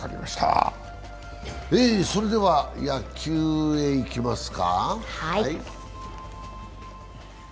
それでは野球へいきますか。